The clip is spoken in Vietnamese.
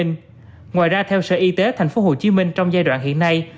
ngoài ra theo sở y tế tp hcm trong giai đoạn hiện nay